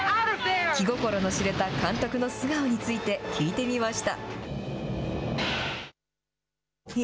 気心の知れた監督の素顔について、聞いてみました。